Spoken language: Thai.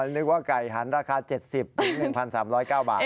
นึกว่าไก่หันราคา๗๐๑๓๐๙บาท